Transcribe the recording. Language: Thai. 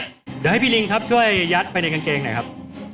เดี๋ยวให้พี่ลิงครับช่วยยัดไปในกางเกงหน่อยครับ